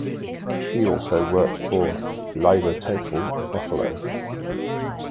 He also worked for the "Liedertafel" Buffalo.